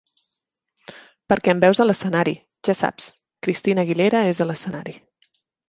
Perquè em veus a l'escenari, ja saps, "Christina Aguilera és a l'escenari.